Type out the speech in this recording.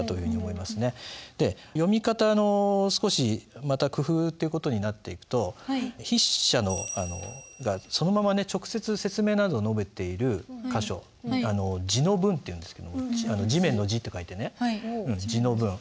で読み方の少し工夫って事になっていくと筆者がそのままね直接説明などを述べている箇所「地の文」っていうんですけど「地面」の「地」って書いてね「地の文」。